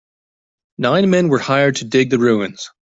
Nine men were hired to dig the ruins.